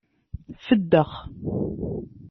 Feddex.